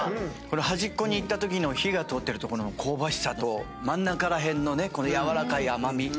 端っこにいったときの火が通ってるとこの香ばしさと真ん中ら辺のねこのやわらかい甘味。